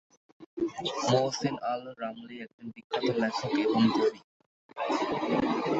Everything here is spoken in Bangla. মুহসিন আল-রামলি একজন বিখ্যাত লেখক এবং কবি।